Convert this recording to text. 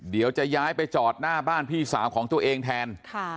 เดี๋ยวจะย้ายไปจอดหน้าบ้านพี่สาวของตัวเองแทน